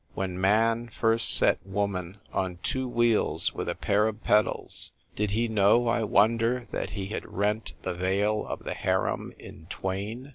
When man first set woman on two wheels with a pair of pedals, did he know, I wonder, that he had rent the veil of the harem in twain